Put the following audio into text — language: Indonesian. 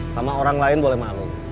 sama orang lain boleh malu